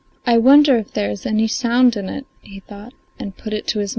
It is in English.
"I wonder if there is any sound in it," he thought, and put it to his mouth.